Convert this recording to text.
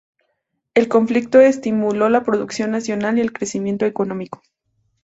El conflicto estimuló la producción nacional y el crecimiento económico.